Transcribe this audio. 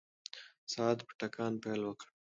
ساعت په ټکا پیل وکړ.